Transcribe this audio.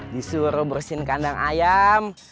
disuruh bersihin kandang ayam